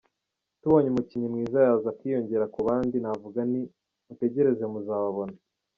Tubonye umukinnyi mwiza yaza akiyongera ku bandi, navuga nti ‘mutegereze muzababona’.